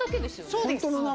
そうです。